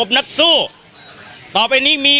สวัสดีครับ